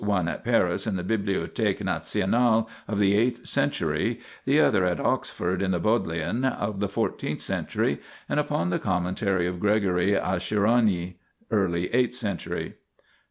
one at Paris in the Bibliotheque National of the eighth century, the other, at Oxford in the Bodleian, of the fourteenth century, and upon the commentary of Gregory Asharuni (early eighth century).